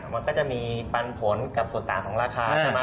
มันก็จะมีพันธุ์ผลกับส่วนต่างของราคา